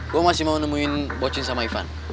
gue masih mau nemuin bocci sama ivan